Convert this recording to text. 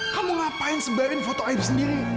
kamu ngapain sebagian foto air sendiri